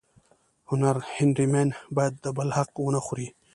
هنرمن باید د بل حق ونه خوري